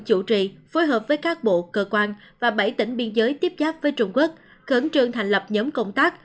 chủ trì phối hợp với các bộ cơ quan và bảy tỉnh biên giới tiếp giáp với trung quốc khẩn trương thành lập nhóm công tác